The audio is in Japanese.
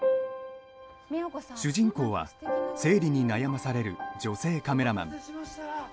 主人公は、生理に悩まされる女性カメラマン。